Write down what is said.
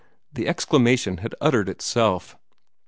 The exclamation had uttered itself.